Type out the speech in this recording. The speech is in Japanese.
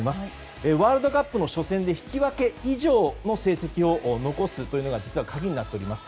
ワールドカップの初戦で引き分け以上の成績を残すというのが実は鍵になっております。